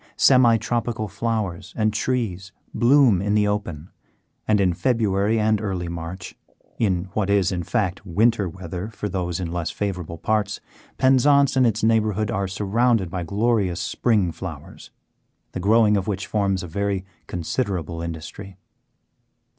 Semi tropical flowers and trees bloom in the open, and in February and early March in what is, in fact, winter weather for those in less favoured parts Penzance and its neighbourhood are surrounded by glorious spring flowers, the growing of which forms a very considerable industry.